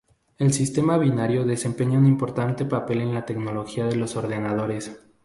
El sistema binario desempeña un importante papel en la tecnología de los ordenadores.